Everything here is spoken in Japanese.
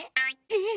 えっ？